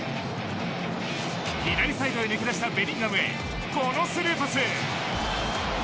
左サイドへ抜け出したベリンガムへこのスルーパス。